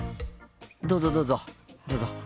どうぞどうぞ。